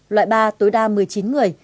loại ba tối đa một mươi chín người